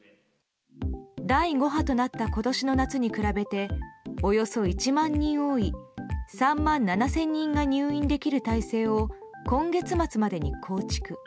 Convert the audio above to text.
第５波となった今年の夏に比べておよそ１万人多い３万７０００人が入院できる体制を今月末までに構築。